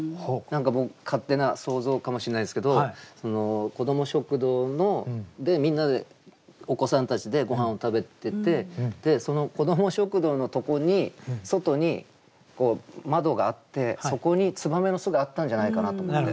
何か僕勝手な想像かもしれないんですけどその子ども食堂でみんなでお子さんたちでごはんを食べててその子ども食堂のとこに外にこう窓があってそこに燕の巣があったんじゃないかなと思って。